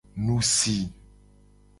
Nu si.